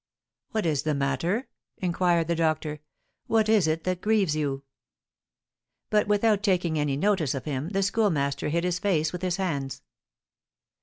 "What is the matter?" inquired the doctor; "what is it grieves you?" But, without taking any notice of him, the Schoolmaster hid his face with his hands.